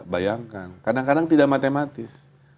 bayangkan kadang kadang tidak matematis